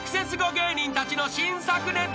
芸人たちの新作ネタ］